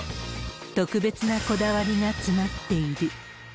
特別なこだわりが詰まっている。